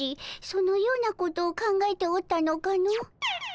そのようなことを考えておったのかの？